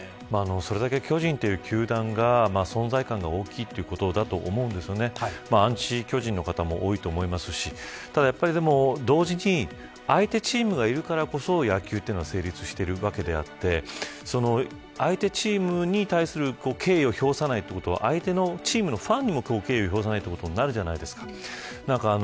それだけ巨人という球団が存在感が大きいということだと思うんですけどアンチ巨人の方も多いと思いますしただ同時に相手チームがいるからこそ野球は成立しているわけであって相手チームに対する敬意を表さないということは相手チームのファンにも敬意を表さないということになります。